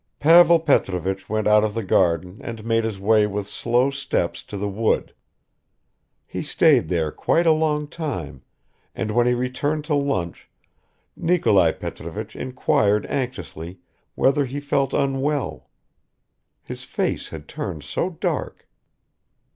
Pavel Petrovich went out of the garden and made his way with slow steps to the wood. He stayed there quite a long time, and when he returned to lunch, Nikolai Petrovich inquired anxiously whether he felt unwell; his face had turned so dark.